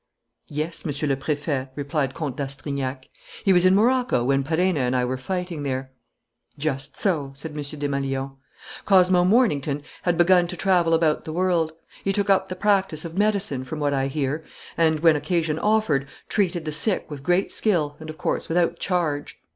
"Yes, Monsieur le Préfet," replied Comte d'Astrignac. "He was in Morocco when Perenna and I were fighting there." "Just so," said M. Desmalions. "Cosmo Mornington had begun to travel about the world. He took up the practise of medicine, from what I hear, and, when occasion offered, treated the sick with great skill and, of course, without charge.